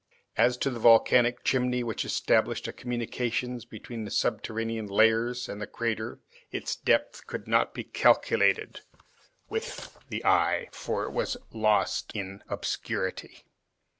As to the volcanic chimney which established a communication between the subterranean layers and the crater, its depth could not be calculated with the eye, for it was lost in obscurity.